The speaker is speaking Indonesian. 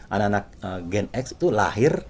anak anak gen x itu lahir